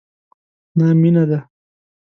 نه مینه ده،